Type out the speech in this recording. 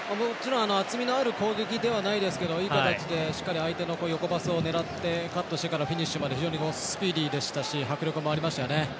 厚みのある攻撃ではないですけどいい形でしっかり相手の横パスを狙ってカットしてからフィニッシュまで非常にスピーディーでしたし迫力もありましたよね。